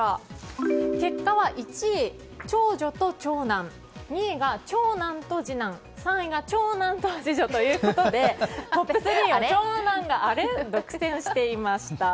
結果は１位、長女と長男２位が長男と次男３位が長男と次女ということでトップ３は長男が独占していました。